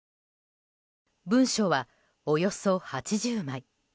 文書はおよそ８０枚。